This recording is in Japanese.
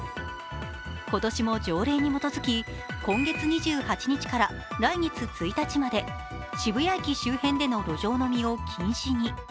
今年も条例に基づき、今月２８日から来月１日まで渋谷駅周辺での路上飲みを禁止に。